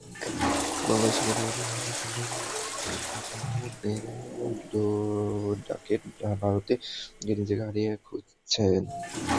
বাংলাদেশে মোটামুটি ভালো সময় কাটানো বেন ডাকেট ভারতে গিয়ে নিজেকে হারিয়ে খুঁজছেন।